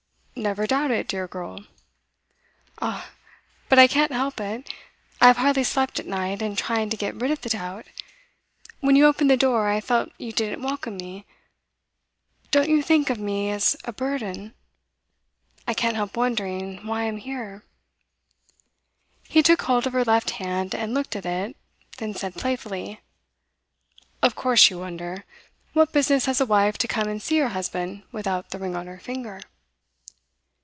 'Never doubt it, dear girl.' 'Ah, but I can't help. I have hardly slept at night, in trying to get rid of the doubt. When you opened the door, I felt you didn't welcome me. Don't you think of me as a burden? I can't help wondering why I am here.' He took hold of her left hand, and looked at it, then said playfully: 'Of course you wonder. What business has a wife to come and see her husband without the ring on her finger?